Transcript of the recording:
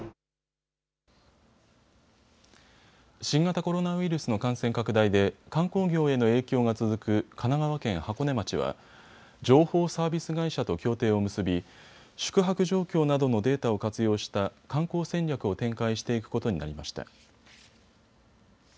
新型コロナウイルスの感染拡大で観光業への影響が続く神奈川県箱根町は情報サービス会社と協定を結び宿泊状況などのデータを活用した観光戦略を展開していくことになりました。